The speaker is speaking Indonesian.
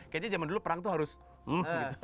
kayaknya zaman dulu perang tuh harus gitu